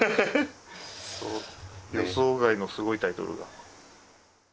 予想外のすごいタイトルが。